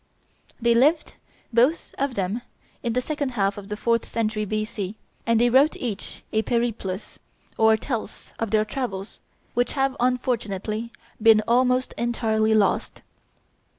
They lived, both of them, in the second half of the fourth century B.C., and they wrote each a Periplus, or tales of their travels, which have unfortunately been almost entirely lost.